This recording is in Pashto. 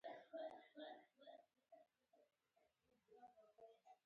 جهاد د دفاع نوم دی